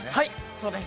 そうです。